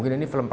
dan lebih didoa